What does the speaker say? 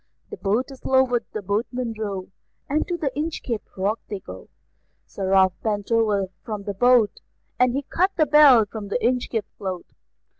The boat is lowered, the boatmen row, And to the Inchcape Rock they go; Sir Ralph bent over from the boat, And he cut the bell from the Inchcape float.